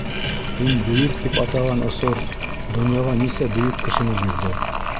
- Һин бөйөк тип атаған осор донъяға нисә бөйөк кешене бирҙе?